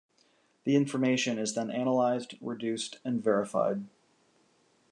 The information is then analyzed, reduced, and verified.